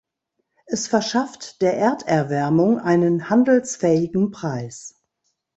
Es verschafft der Erderwärmung einen handelsfähigen Preis.